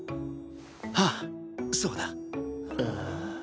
ああそうだ。